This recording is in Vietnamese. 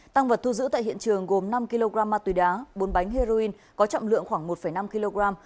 tăng vật thu giữ tại hiện trường gồm năm kg ma túy đá bốn bánh heroin có trọng lượng khoảng một năm kg